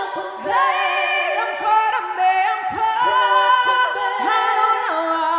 tak bisa untukimu